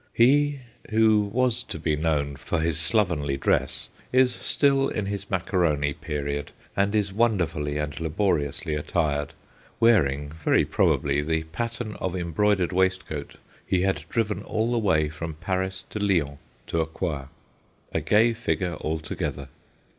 He, who was to be known for his slovenly dress, is still in his Macaroni period, and is wonderfully and laboriously attired, wearing, very pro bably, the pattern of embroidered waist coat he had driven all the way from Paris to Lyons to acquire. A gay figure altogether.